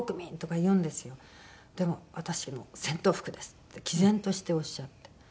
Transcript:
でも「私の戦闘服です」って毅然としておっしゃって。